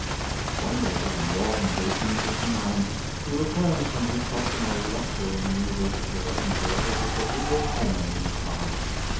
One day, in the autumn of 1859, he returned from his customary lecture in the University of Edinburgh with a severe pain in his side.